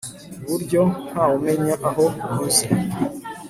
ku buryo nta we umenya aho unyuze